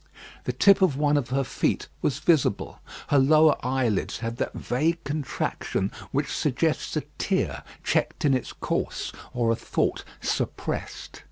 The tip of one of her feet was visible. Her lowered eyelids had that vague contraction which suggests a tear checked in its course, or a thought suppressed.